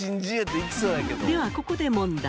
ではここで問題。